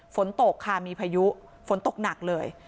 ฝนตกค่ะมีพายุฝนตกหนักเลย